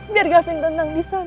biar gafin tenang di sana ma